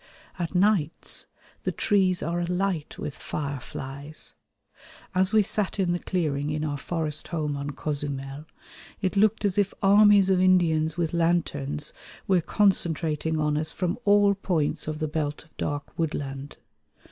At nights the trees are alight with fireflies. As we sat in the clearing in our forest home on Cozumel, it looked as if armies of Indians with lanterns were concentrating on us from all points of the belt of dark woodland.